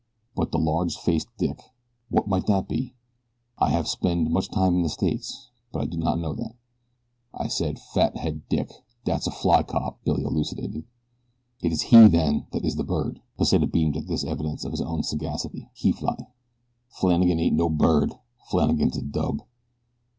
"But the large faced dick what might that be? I have spend much time in the States, but I do not know that." "I said 'fat head dick' dat's a fly cop," Billy elucidated. "It is he then that is the bird." Pesita beamed at this evidence of his own sagacity. "He fly." "Flannagan ain't no bird Flannagan's a dub."